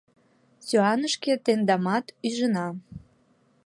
Сӱанышке тендамат ӱжына.